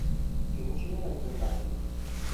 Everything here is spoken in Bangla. তিনি ছিলেন একজন দাদী।